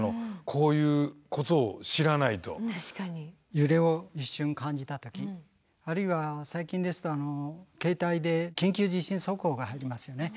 揺れを一瞬感じた時あるいは最近ですと携帯で緊急地震速報が入りますよね。